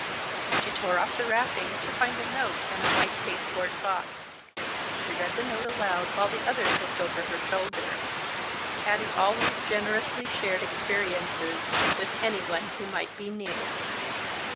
She tore off the wrapping, to find a note and a white pasteboard box. She read the note aloud while the others looked over her shoulder. Patty always generously shared experiences with anyone who might be near.